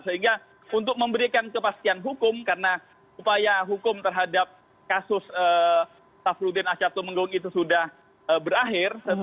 sehingga untuk memberikan kepastian hukum karena upaya hukum terhadap kasus safruddin asyatumenggung itu sudah berakhir